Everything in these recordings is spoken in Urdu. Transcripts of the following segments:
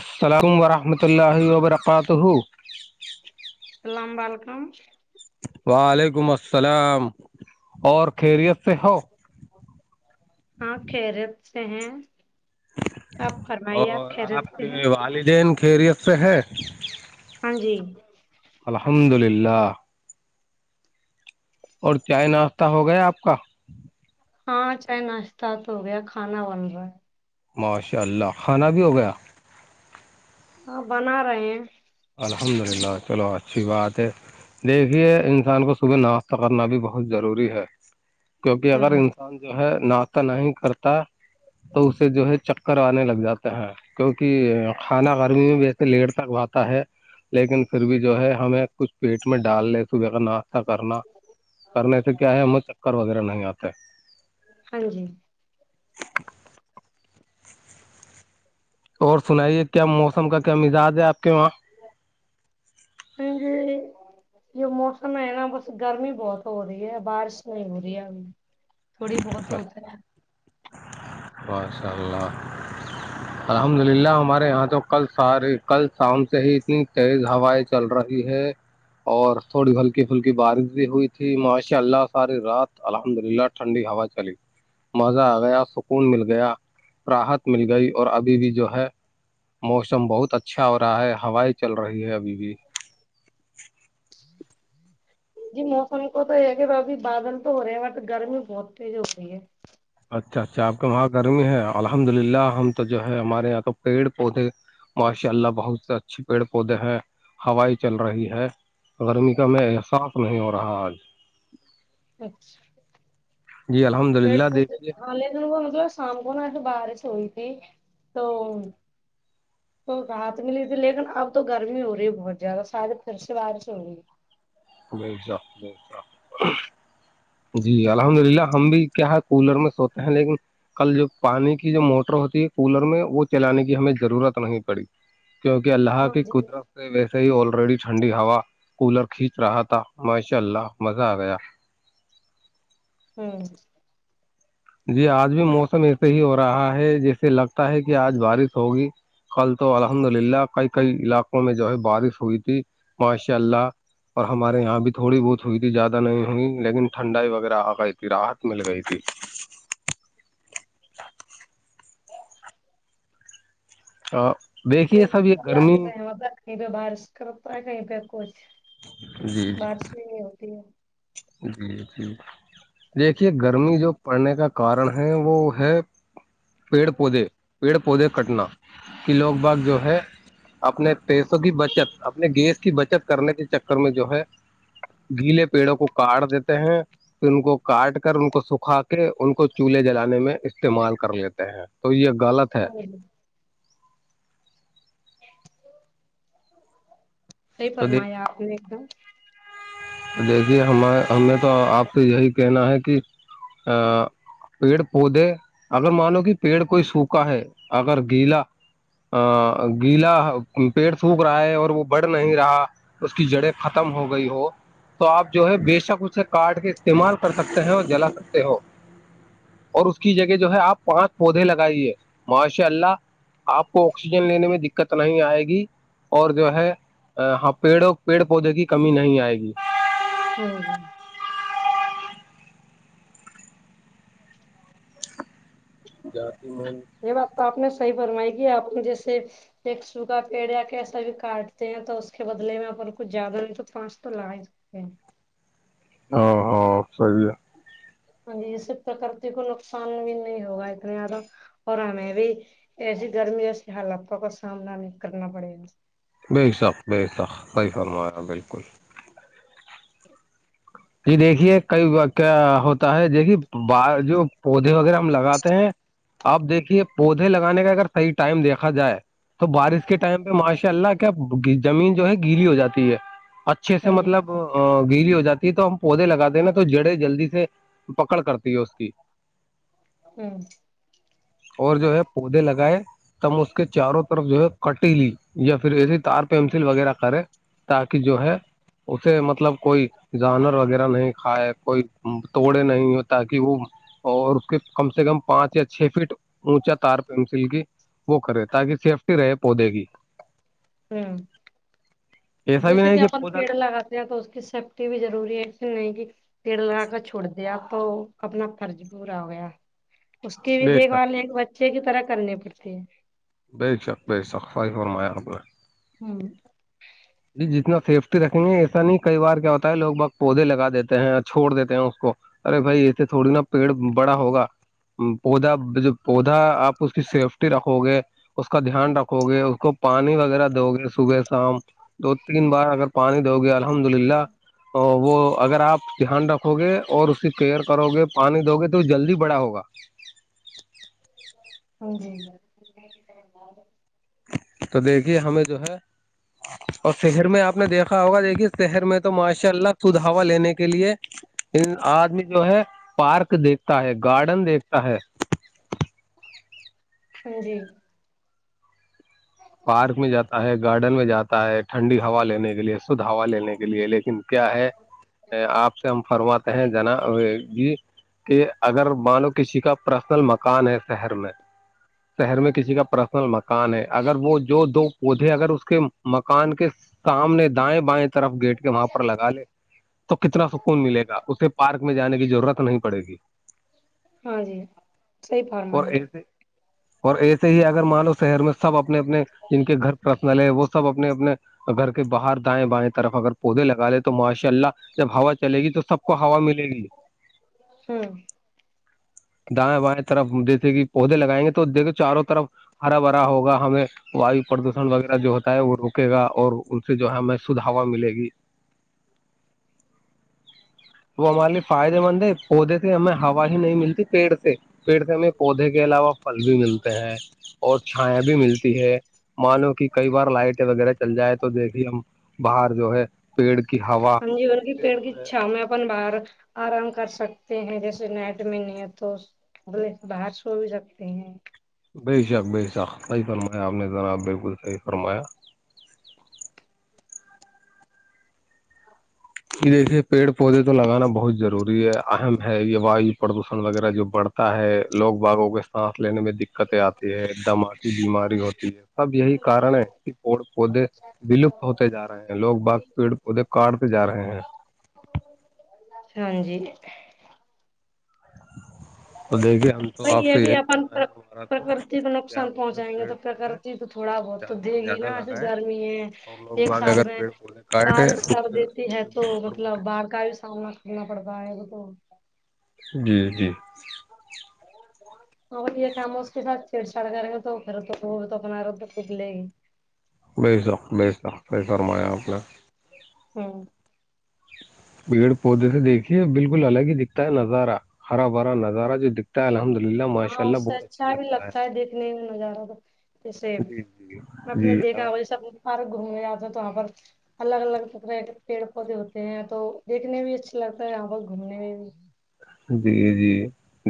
السلام ورحمۃ اللہ وبرکاتہ لمبال کام وعلیکم السلام اور خیریت سے ہو ہاں خریت سے ہیں آپ فرمائیے آپ اور کہہ سکتے ہیں کے والدین کے خیریت سے ہے ہاں جی الحمد للہ اور چائے ناشتہ ہو گیا آپ کا ہاں چاہے ناشتہ تو ہو گیا کھانا بن رہا ہے ماشاء اللہ کھانا بھی ہو گیا ہاں بنا رہے ہیں الحمد للہ چلو اچھی بات ہے دیکھیے انسان کو صبح ناشتہ کرنا بھی بہت ضروری ہے کیونکہ اگر ہوں انسان انان جو ہے ناتہ نہیں کرتا تو اسے جو ہے چکر آنے لگ جاتے ہیں کیونکہ کھانا گرمی میں بھی ایسے لیٹ تک بات ہے لیکن پھر بھی جو ہے ہمیں کچھ پیٹ میں ڈال لی صبح کا ناشتہ کرنا کرنے سے کیا ہے م چکر وغیرہ نہیں آتا ہاں جی اور سنائیے کیا موسم کا کیا مزاج ہے آپ کے وہاں ہوں ہوں یہ موسم ہے نا بس گرمی بہت ہو رہی ہے بارش نہیں ہو رہی ہے ابھی تھوڑی بہت ہوتا ہے مسلہ الحمد للہ ہمارے یہاں تو کل سارے کل شام سے ہی اتنی تیز ہوائیں چل رہی ہے اور تھوڑی ہلکی پھلکی بارش بھی ہوئی تھی ماشاء اللہ ساری رات الحمد للہ ٹھنڈی ہوا چلی مزہ آ گیا ون مل گیا راحت مل گئی اور ابھی بھی جو ہے موسم بہت اچھا ہو رہا ہے ہوائیں چل رہی ہے ابھی بھی جی موسم کو تو یہ کہ ابھی بادل تو ہو رہے ہیں بٹ گرمی بہت تیز ہو رہی ہے اچھا اچھا آپ کے وہاں گرمی ہے الحمد للہ ہم تو جو ہے ہمارے یہاں تو پیڑ پودے ماشاء اللہ بہت سے اچھے پیڑ پودے ہیں ہوائی چل رہی ہے گرمی کا میں احساس نہیں ہو رہا آج اچھا جی الحمد پھر للہ ا دیکھیے ہل دن کو بنے شام کو ن اٹ باہر سوئیتی تو تو رات ملی تھی لیکن اب تو گرمی ہو رہی ہے بہت زیادہ شایدے پھر سے بارش ہو رہی ہے نہیں جاک نہیں جاک جی الحمد للہ ہم بھی کیا ہے کولر میں سوتے ہیں لیکن کل جو پانی کی جو موٹر ہوتی ہے کولر میں وہ چلانے کی ہمیں ضرورت نہیں پڑی کیونکہ اللہ کی ہاں جی قدرت سے ویسے ہی آلریڈی ٹھنڈی ہوا کولر کھینچ رہا تھا ماشاء اللہ مزہ آ گیا ہوں جی آج بھی موسم ایسے ہی ہو رہا ہے جیسے لگتا ہے کہ آج بارش ہوگی کل تو الحمد للہ کئی کئی علاقوں میں جو ہے بارش ہوئی تھی ماشاء اللہ اور ہمارے یہاں بھی تھوڑی بہت ہوئی تھی زیادہ نہیں ہوئی لیکن ٹھنڈائی وغیرہ آ گئی تھی راحت مل گئی تھی ا دیکھیے سب یہ اللہ گرمی کی رحمت ہے کہیں پہ بارش کرتا ہے کہیں پہ کچھ جی جی بارش بھی نہیں ہوتی ہے جی جی دیکھیے گرمی جو پڑنے کا کارن ہے وہ ہے پیڑ پودے پیڑ پودے کٹنا کہ لوگ باغ جو ہے اپنے پیسوں کی بچت اپنے گیس کی بچت کرنے کے چکر میں جو ہے گیلے پیڑوں کو کاٹ دیتے ہیں پھر ان کو کاٹ کر ان کو سکھا کے ان کو چولہے جلانے میں استعمال کر لیتے ہیں تو یہ غلط ہے ہاں جی صحیح تو دیک فرمایا آپ نے ایک دم دیکھیے ہم ہم نے تو آپ سے یہی کہنا ہے کہ پیڑ پودے اگر مانو کہ پیڑ کوئی سوکھا ہے اگر گیلا ا گیلا پیڑ سوکھ رہا ہے اور وہ بڑ نہیں رہا اس کی جڑیں ختم ہو گئی ہو تو آپ جو ہے بے شک اسے کاٹ کے استعمال کر سکتے ہیں اور جلا سکتے ہو اور اس کی جگہ جو ہے آپ پانچ پودے لگائیے ماشاء اللہ آپ کو آکسیجن لینے میں دقت نہیں آئے گی اور جو ہے پیڑوں پیڑ پودے کی کمی نہیں آئے گی ہوں جتی میں یہ بات تو آپ نے صحی فرمائی کی آپ جیسے ایک سوگا پیڑیا کیسا بھی کاٹتے ہیں تو اس کے بدلے میں کچھ زیادہ نہیں تو پانچ تو لگ ہوں ہ ہاں صی ہے ہاں جی اس سے پرکرتی کو نقصان بھی نہیں ہوگا اتنے زیادہ اور ہمیں بھی ایسی گرمی ایسی حالاتوں کا سامنا نہیں کرنا پڑے گا بے شق بے شخ صحی فرمایا بالکل ج ج دیکھیے کئی کیا ہوتا ہے دیکھیے ب جو پودے وغیرہ ہم لگاتے ہیں آپ دیکھیے پودے لگانے کا اگر صحیح ٹائم دیکھا جائے تو بارش کے ٹائم پہ ماشاء اللہ کیا زمین جو ہے گیلی ہو جاتی ہے اچھے سے ہاں جی مطلب گیری ہو جاتی تو ہم پودے لگاتے ہیں نا تو جڑے جلدی سے پکڑ کرتی ہے اس کی ہوں اور جو ہے پودے لگائے تم اس کے چاروں طرف جو ہے کٹی لی یا پھر ایسے تار پینسل وغیرہ کرے تاکہ جو ہے اسے مطلب کوئی جانور وغیرہ نہیں کھائے کوئی توڑے نہیں ہو تاکہ وہ اور اس کے کم سے کم پانچ یا چھ فٹ اونچا تار پینسل کی وہ کرے تاکہ سیفٹی رہے پودے کی ہوں ایسا بھی جیسے نہیں کہ اپن پودا پیڑ لگات تو اس کی سیفٹی بھی ضروری ہے اس نہیں کہ پر لا کر چھوڑ د دیا تو اپنا فرض پورا ہو گیا اس کی بھی بے دیکھ شک بال ایک ب اچھے کی طرح کرنی پڑتے ہیں بے شک بے شق خائی اور میار ہاں جی جتنا سیفٹی رکھیں گے ایسا نہیں کئی بار کیا ہوتا ہے لوگ بت پودے لگا دیتے ہیں چھوڑ دیتے ہیں اس کو ارے بھائی اتے تھوڑی نہا پیڑ بڑا ہوگا پودا پودا آپ اس کی سیفٹی رکھو گے اس کا دھیان رکھو گے اس کو پانی وغیرہ دو گے صبح ام دو تین بار اگر پانی دو گے الحمد للہ وہ اگر آپ دھیان رکھو گے اور اسے کیئر کرو گے پانی دو گے تو جلدی بڑا ہوگا ہاں جی جی تو دیکھیے ہمیں جو ہے اور شہر میں آپ نے دیکھا ہوگا دیکھیے شہر میں تو ماشاء اللہ سدھاوا لینے کے لیے ان آدمی جو ہے پارک دیکھتا ہے گارڈن دیکھتا ہے ہاں جی پارک میں جاتا ہے گارڈن میں جاتا ہے ٹھنڈی ہوا لینے کے لیے شدھ ہوا لینے کے لیے لیکن کیا ہے آپ سے ہم فرماتے ہیں جنا جی کہ اگر مانو کسی کا پرسنل مکان ہے شہر میں شہر میں کسی کا پرسنل مکان ہے اگر وہ جو دو پودے اگر اس کے م کان کے سامنے دائیں بائیں طرف گیٹ کے وہاں پر لگا لے تو کتنا سکون ملے گا اسے پارک میں جانے کی ضرورت نہیں پڑے گی ہاں جی سی فارما اور ہے ایسے اور ایسے ہی اگر مانو شہر میں سب اپنے اپنے جن کے گھر پرسنل ہیں وہ سب اپنے اپنے گھر کے باہر دائیں بائیں طرف اگر پودے لگا لے تو ماشاء اللہ جب ہوا چلے گی تو سب کو ہوا ملے گی ہوں دائیں بائیں طرف جیسے کہ پودے لگائیں گے تو دیکھو چاروں طرف ہرا بھرا ہو ہمیں واو پردوشن وغیرہ جو ہوتا ہے وہ روکے گا اور ان سے جو ہے ہمیں سدھوا ملے گی وہ ہمارے لیے فائدے مند ہے پودے سے ہمیں ہوا ہی نہیں ملتی پیڑ سے پیڑ میں پودے کے علاوہ پھل بھی ملتے ہیں اور چھایا بھی ملتی ہے مانو کہ کئی بار لائٹیں وغیرہ چل جائے تو دیکھیے ہم باہر جو ہے پیڑ کی ہوا جون کی پیڑ کی چا میں اپن باہر آرام کر سکتے ہیں جیسے نیٹ میں نی تو الے باہر سو بھی سکتے ہیں بے شک بے شق صحی فرمایا آپ نے ذرا بالکل صحیح فرمایا ہاں یہ دیکھیے پیڑ پودے تو لگانا بہت ضروری ہے اہم ہے یہ واو پردوشن وغیرہ جو بڑھتا تا ہے لوگ باغوں کے سانس لینے میں د دقتیں آتی ہے دماکی بیماری ہوتی ہے سب یہی کارن ہے کہ پڑ پودے ولپت ہوتے جا رہے ہیں لوگ بغ پیڑ پدے کاٹتے جا رہے ہیں ہاں جی تو دیکھیے ہم تو بائی آپ یہ سے بھی یہی اپن کہنا ہے ہمارا تو پرکرتی کو کہ آپ نقصان جو ہے پہنچائیں گے تو پیڑ پودے پرکر تو تھوڑا بہت تو زیادہ دے سے گی زیادہ نا ایھر لگائے گرمی ہے اور لوگ ایک باغ ساتھ اگر میں پیڑ پودے کاٹے بارش تو کر دیتی ہے تو پھر مطلب باڑھ کا بھی سامنا کرنا پڑ رہا ہے تو جی جی [inaudible] اور یہ کام اس کے ساتھ چھیڑ چاڑ کریں گے تو پھر تو تو اپنا تو پک لے گی بے سخت ب سختی فرمایا آپ نے ہاں پیڑ پودے سے دیکھیے بالکل الگ ہی دکھتا ہے نظارہ ہرا بھرا نظارہ جو دکھتا ہے الحمد للہ ماشاء ہاں اللہ اس سے بہت اچھا بھی لگتا ہے دیکھنے میں نظارہ تو جیسے جی جی ہمپ نے جی دیکھا اگر وہ سب فار گھومنے آتے تو وہاں پر الگ الگ طکرح کے پیڑ پودے ہوتے ہیں تو دیکنے بھی اچھا لگتا ہے یہاں پر گھومنے میں بھی جی جی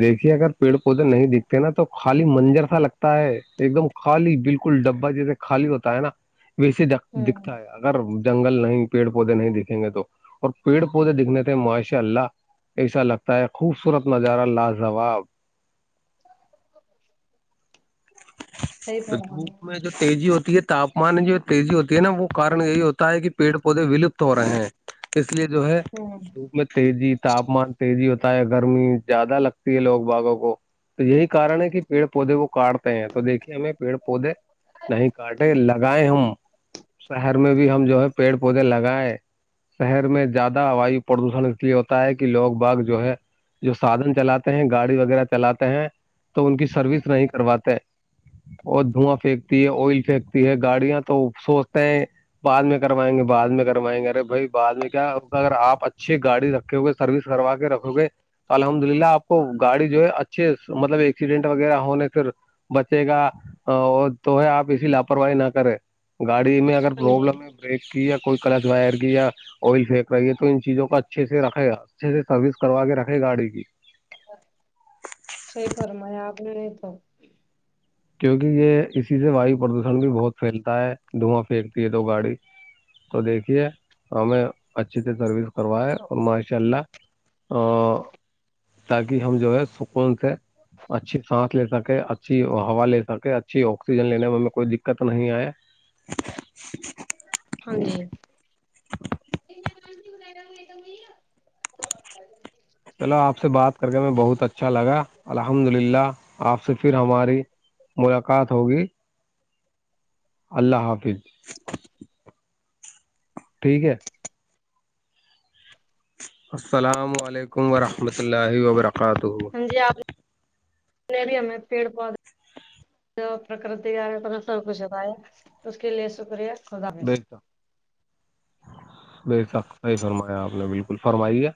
دیکھیے اگر پیڑ پودے نہیں دکھتے نا تو خالی منجر سا لگتا ہے ایک دم خالی بالکل ڈبا جیسے خالی ہوتا ہے نا ویسے ڈ ہوں دکھتا ہے اگر جنگل نہیں پیڑ پودے نہیں دکھیں گے تو اور پیڑ پودے دکھنے تھے ماشاء اللہ ایسا لگتا ہے خوبصورت نظارہ لاجواب اچ [unintelligible] [inaudible] تو فرمایا ہوں دھوپ میں جو تیزی ہوتی ہے تاپمان میں جو تیزی ہوتی ہے نا وہ کارن یہی ہوتا ہے کہ پیڑ پودے ولپت ہو رہے ہیں تو اس لیے جو ہے ہوں د میں تیزی تاپمان تیزی ہوتا ہے گرمی زیادہ لگتی ہے لوگ باغوں کو تو یہی کن ہے کہ پیڑ پودے وہ کاٹتے ہیں تو دیکھیے ہمیں پیڑ پودے نہیں کاٹے لگائے ہم شہر میں بھی ہم جو ہے پیڑ پودے لگائے شہر میں زیادہ ویو پردوشن اس لیے ہوتا ہے کہ لوگ باغ جو ہے جو سادن چلاتے ہیں گاڑی وغیرہ چلاتے ہیں تو ان کی سروس نہیں کرواتے اور دھواں پھینکتی ہے آئل پھینکتی ہے گاڑیاں تو سوچتے ہیں بعد میں کروائیں گے بد میں کروائیں گے ارے بھائی بع میں کیا اگر آپ اچھی گاڑی رکھے ہوگئے سروس کروا کے رکھو گے الحمد للہ آپ کو گاڑی جو ہے اچھے مطلب ایکسیڈنٹ وغیرہ ہونے پھر بچے گا تو ہے آپ اسسی لاپرواہی نہ کریں گاڑی میں اگر جی پروبلم ہے بریک کی یا کوئی کلش وائر کی یا آئل پھییک رہی ہے تو ان چیزوں کو اچھے سے رکھے اچھے سے سروس کروا کے رکھے گاڑی کی صی پر میں آپ میں نہیں تو کیونکہ یہ اسی سے وایو پردوشن بھی بہت پھیلتا ہے دھواں پھینکتی ہے تو گاڑی تو دیکھیے ہمیں اچھی سے سروس کروائے اور ماشاء اللہ ا تاکہ ہم جو ہے س ان سے اچھی سانس لے سکے اچھی ہوا لے سکے اچھی آکسیجن لینے میں ہم کوئی دقت نہیں آئے ہاں جی چلو آپ سے بات کر کے میں بہت اچھا لگا الحمد للہ آپ سے پھر ہماری ملاقات ہوگی اللہ حافظ ٹھیک ہے السلام علیکم ورحمۃ اللہ وبرکاتہ ہاں جی آپ نےیا میں پیڑ پودے جو پرکرتی آ ہے تو نے سب کچھ بتایا اس کے لیے شکریہ خدا بے شک بے شخ صحیح فرمایا آپ نے بالکل فرمائی ہے